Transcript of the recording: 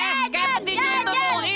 kemarang kan udah diajarin ya ramoela